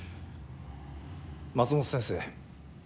松本先生。